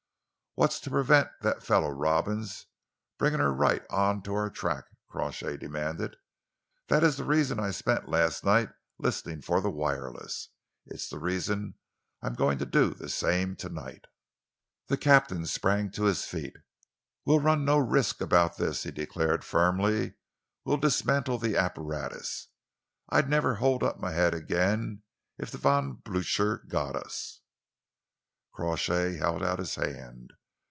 "What's to prevent that fellow Robins bringing her right on to our track?" Crawshay demanded. "That is the reason I spent last night listening for the wireless. It's the reason I'm going to do the same to night." The captain sprang to his feet. "We'll run no risks about this," he declared firmly. "We'll dismantle the apparatus. I'd never hold up my head again if the Von Blucher got us!" Crawshay held out his hand.